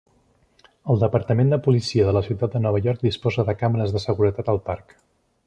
El Departament de Policia de la ciutat de Nova York disposa de càmeres de seguretat al parc.